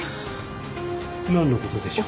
何のことでしょう？